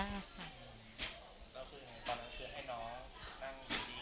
แล้วคือตอนนั้นคือให้น้องนั่งอยู่ที่นี่